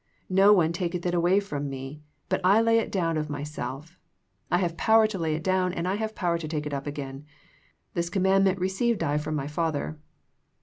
" No one taketh it away from Me, but I lay it down of Myself. I have power to lay it down, and I have power to take it again. This commandment received I from M}^ Father."